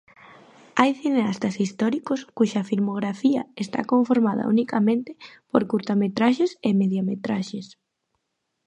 Hai cineastas históricos cuxa filmografía está conformada unicamente por curtametraxes e mediametraxes.